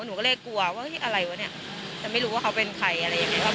หนูก็เลยกลัวว่าอะไรวะเนี่ยแต่ไม่รู้ว่าเขาเป็นใครอะไรยังไงครับ